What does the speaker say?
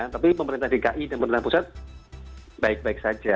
tapi pemerintah dki dan pemerintah pusat baik baik saja